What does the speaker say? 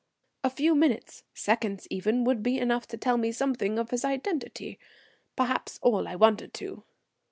A few minutes, seconds even, would be enough to tell me something of his identity, perhaps all I wanted to.